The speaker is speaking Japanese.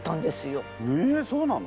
えそうなの？